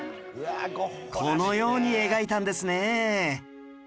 このように描いたんですね